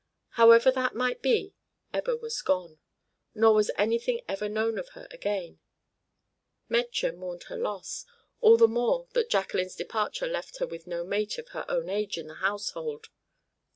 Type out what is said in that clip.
However that might be, Ebba was gone; nor was anything ever known of her again. Metje mourned her loss, all the more that Jacqueline's departure left her with no mate of her own age in the household.